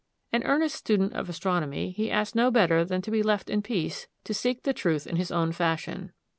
An earnest student of astronomy, he asked no better than to be left in peace to seek the truth in his own fashion.